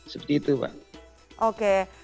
seperti itu pak